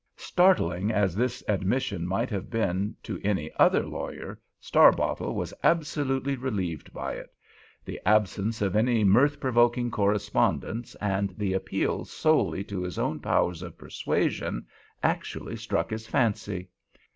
Startling as this admission might have been to any other lawyer, Starbottle was absolutely relieved by it. The absence of any mirth provoking correspondence, and the appeal solely to his own powers of persuasion, actually struck his fancy.